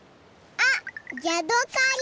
あヤドカリ。